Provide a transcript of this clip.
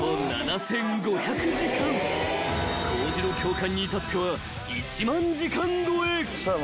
［神代教官に至っては１万時間超え］